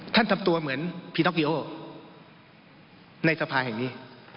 ท่านทำตัวเหมือนพิน็อกยูโฮในสภาแห่งนี้